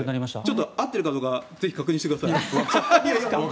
合ってるかどうかぜひ確認してください。